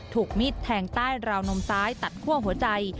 มิดแทงใต้ราวนมซ้ายตัดคั่วหัวใจ